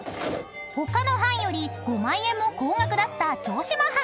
［他の班より５万円も高額だった城島班］